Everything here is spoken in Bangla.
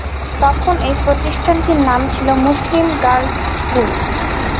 তখন এই প্রতিষ্ঠানটির নাম ছিল মুসলিম গার্লস স্কুল।